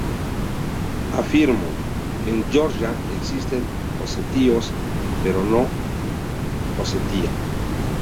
Afirmó, "en Georgia existen osetios, pero no Osetia".